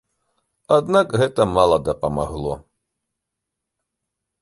Аднак гэта мала дапамагло.